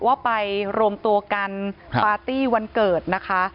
ว่าไปรวมตัวกันปาร์ตี้วันเกิดนะคะ